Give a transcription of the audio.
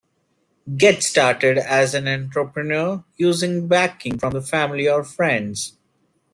Get started as an entrepreneur using backing from family or friends.